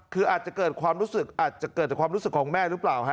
คืออาจจะเกิดความรู้สึกอาจจะเกิดจากความรู้สึกของแม่หรือเปล่าฮะ